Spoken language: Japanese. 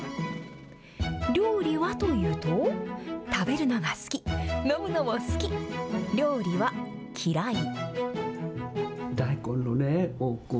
料理はというと、食べるのが好き、飲むのも好き、料理は嫌い。